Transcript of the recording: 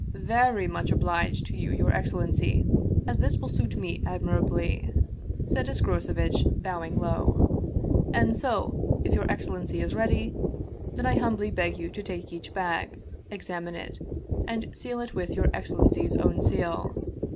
" Very much obliged to your excellency, as this will suit me admirably," said Escrocevitch, bowing low. " And so, if your excellency is ready, then I humbly beg you to take each bag, examine it, and seal it with your excellency's own seal.